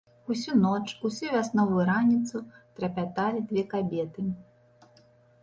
Усю ноч, усю вясновую раніцу трапяталі дзве кабеты.